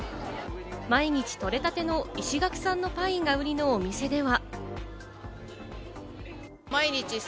毎日取れたての石垣産のパインが売りのお店では。